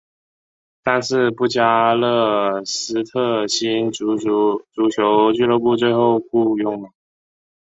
但是布加勒斯特星足球俱乐部最后雇佣了。